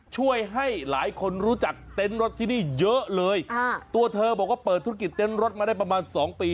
ช่วยให้หลายคนรู้จักเต็นต์รถที่นี่เยอะเลยอ่าตัวเธอบอกว่าเปิดธุรกิจเต้นรถมาได้ประมาณสองปี